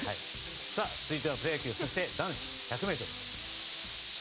続いてはプロ野球そして男子１００ｍ。